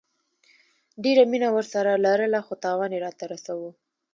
ډيره مينه ورسره لرله خو تاوان يي راته رسوو